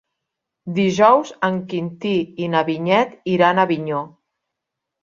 Dijous en Quintí i na Vinyet iran a Avinyó.